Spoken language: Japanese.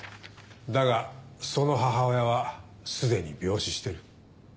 だがその母親はすでに病死してる。